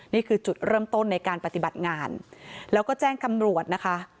นี่คือจุดเริ่มต้นในการปฏิบัติงานแล้วก็แจ้งตำรวจนะคะ